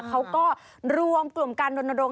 เขาก็รวมกลุ่มการรณรงค